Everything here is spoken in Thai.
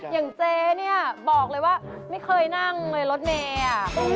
อย่างเจ๊เนี่ยบอกเลยว่าไม่เคยนั่งเลยรถเมย์อ่ะ